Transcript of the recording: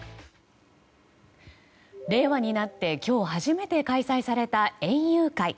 令和になって今日初めて開催された園遊会。